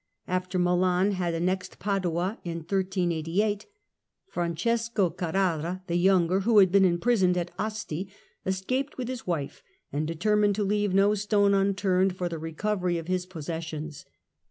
After Milan had annexed Padua in 1388, Francesco Carrara the younger, who had been imprisoned at Asti, escaped with his wife, and determined to leave no stone unturned for the recovery of his possessions.